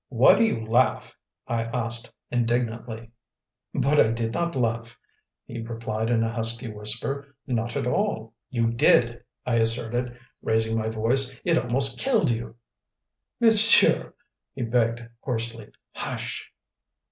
"Why do you laugh?" I asked indignantly. "But I did not laugh," he replied in a husky whisper. "Not at all." "You did," I asserted, raising my voice. "It almost killed you!" "Monsieur," he begged hoarsely, "HUSH!"